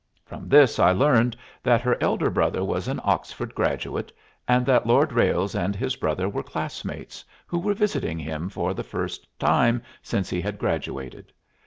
From this I learned that her elder brother was an Oxford graduate, and that Lord Ralles and his brother were classmates, who were visiting him for the first time since he had graduated.